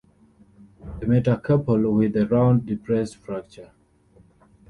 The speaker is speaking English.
A metacarpal with a round depressed fracture.